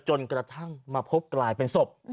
จนกระทั่งมาพบกลายเป็นศพ